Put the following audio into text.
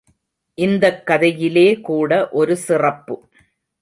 இந்தக்கதையிலே கூட ஒரு சிறப்பு.